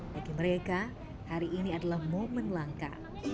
bagi mereka hari ini adalah momen langka